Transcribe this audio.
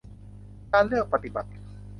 การเลือกปฏิบัติ